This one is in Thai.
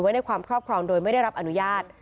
ในความครอบครองโดยไม่ได้รับอนุญาต